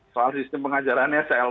soal sistem pengajaran sl